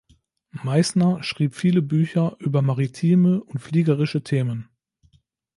Meissner schrieb viele Bücher über maritime und fliegerische Themen.